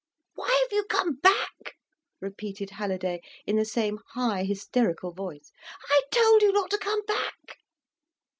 "Why have you come back?" repeated Halliday, in the same high, hysterical voice. "I told you not to come back."